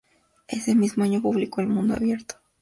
Ese mismo año publicó "El mundo abierto".